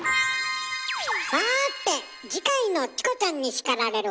さて次回の「チコちゃんに叱られる！」